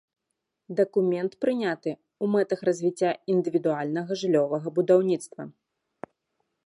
Дакумент прыняты ў мэтах развіцця індывідуальнага жыллёвага будаўніцтва.